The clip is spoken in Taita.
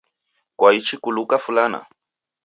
Kwaichi kuluka fulana?